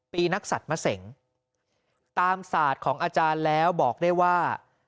ปีนักศัตริย์มะเสงตามศาสตร์ของอาจารย์แล้วบอกได้ว่า